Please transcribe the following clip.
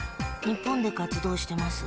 日本で活動してます。